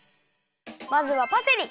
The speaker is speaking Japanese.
まずはパセリ。